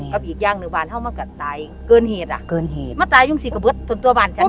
กับอีกอย่างหนึ่งวันฮะกะตายเกินเหตุล่ะมันตายยังสิกระบุ๊ดทนตัวบันตัวบ้านชั้น